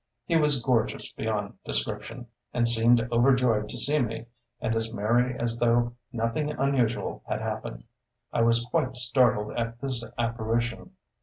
He was gorgeous beyond description, and seemed overjoyed to see me, and as merry as though nothing unusual had happened. I was quite startled at this apparition.